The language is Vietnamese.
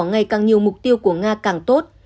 ngày càng nhiều mục tiêu của nga càng tốt